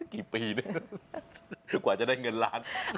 กี่ปีเนี่ยกว่าจะได้เงินล้าน